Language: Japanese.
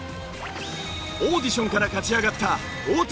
オーディションから勝ち上がった太田裕二。